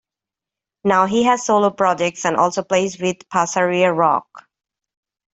Now he has solo projects and also plays with Pasarea Rock.